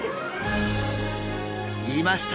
いました！